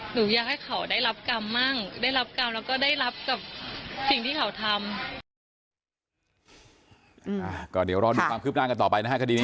หนูอยากให้เขาได้รับกรรมมั่งได้รับกรรมแล้วก็ได้รับกับสิ่งที่เขาทำ